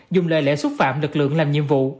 dùng lời lẽ xúc phạm lực lượng làm nhiệm vụ